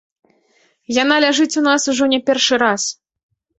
Яна ляжыць у нас ужо не першы раз.